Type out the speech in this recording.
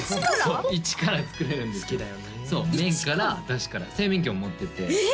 そう１から作れるんですけどそう麺から出汁から製麺機を持っててえ！？